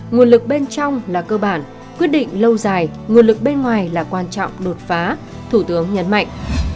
nguồn lực bên trong là cơ bản quyết định lâu dài nguồn lực bên ngoài là quan trọng đột phá thủ tướng nhấn mạnh